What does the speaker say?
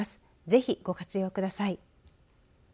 ぜひ、ご活用ください。